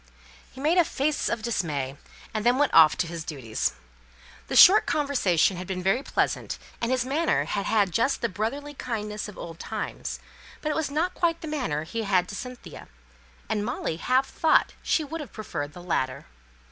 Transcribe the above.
He made a face of dismay, and then went off to his duties. The short conversation had been very pleasant, and his manner had had just the brotherly kindness of old times; but it was not quite the manner he had to Cynthia; and Molly half thought she would have preferred the latter.